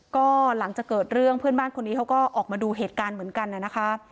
ก็หลังจากเกิดเรื่องเพื่อนบ้านคนนี้เขาก็ออกมาดูเหตุการณ์เหมือนกันนะคะ